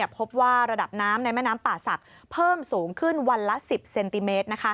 พบว่าระดับน้ำในแม่น้ำป่าศักดิ์เพิ่มสูงขึ้นวันละ๑๐เซนติเมตร